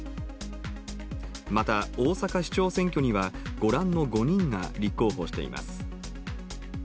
また、大阪市長選挙にはご覧の５人が立候補しています。